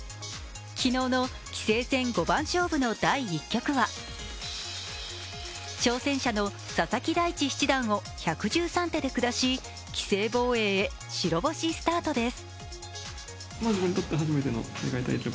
昨日の棋聖戦五番勝負の第１局は挑戦者の佐々木大地七段を１１３手で下し棋聖防衛へ白星スタートです。